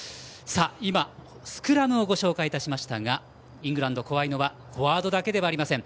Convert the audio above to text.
今スクラムをご紹介しましたがイングランド、怖いのはフォワードだけではありません。